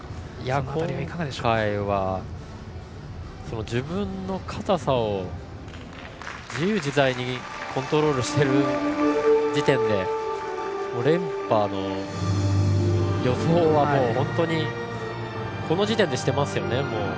今回は自分の硬さを自由自在にコントロールしてる時点で連覇の予想は、本当にこの時点でしていますよね。